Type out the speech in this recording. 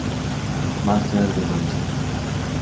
Master de Buenos Aires.